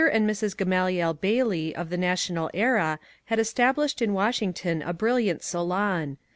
and Mrs. Gamaliel Bailey of the ^^ National Era " had established in Washington a brilliant acUon.